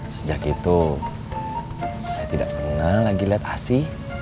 sejak itu saya tidak pernah lagi lihat asi